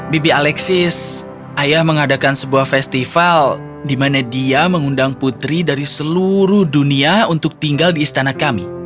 bibi alexis ayah mengadakan sebuah festival di mana dia mengundang putri dari seluruh dunia untuk tinggal di istana kami